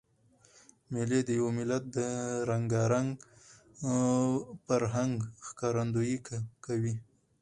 مېلې د یو ملت د رنګارنګ فرهنګ ښکارندویي کوي.